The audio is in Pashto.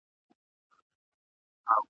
هغه بېغمه له مرګه ژونده !.